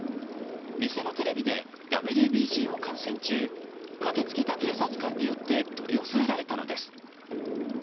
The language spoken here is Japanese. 店のテレビでＷＢＣを観戦中駆け付けた警察官によって取り押さえられたのです。